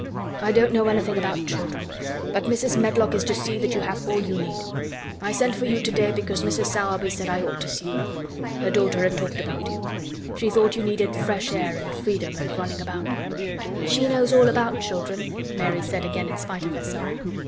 I don't know anything about children, but Mrs. Medlock is to see that you have all you need. I sent for you today because Mrs. Sowerby said I ought to see you. Her daughter had talked about you. She thought you needed fresh air and freedom and running about." "She knows all about children," Mary said again in spite of herself.